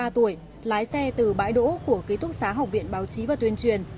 ba mươi ba tuổi lái xe từ bãi đỗ của ký túc xá học viện báo chí và tuyên truyền